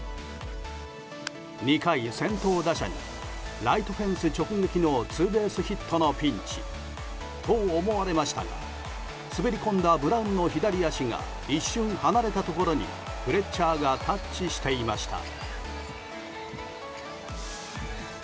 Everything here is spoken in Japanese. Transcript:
２回、先頭打者にライトフェンス直撃のツーベースヒットのピンチと思われましたが滑り込んだブラウンの左足が一瞬離れたところにフレッチャーがタッチしていました。